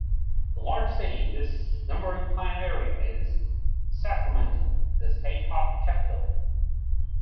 The largest city in this numbering plan area is Sacramento, the state capital.